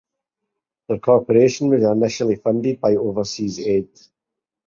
The corporation was initially funded by overseas aid.